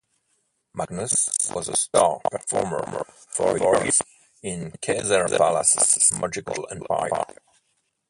Magnus was a star performer for years in Caesars Palace's Magical Empire.